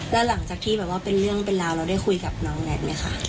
แล้วหลังจากที่แบบว่าเป็นเรื่องเป็นราวเราได้คุยกับน้องแน็ตไหมคะ